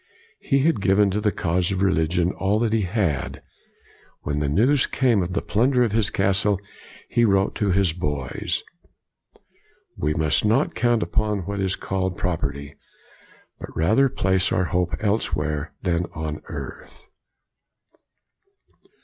He had given to the cause of religion all that he had. When the news came of the plunder of his castle he wrote to his boys, " We must not count upon what is called property, but rather place our hope else where than on earth.'